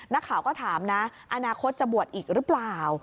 นักข่าวก็ถามนะอนาคตจะบวชอีกหรือเปล่า